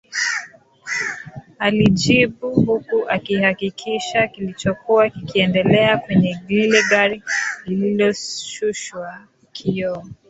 Alijibu huku akihakikisha kilichokuwa kikiendelea kwenye lile gari lililoshushwa kioo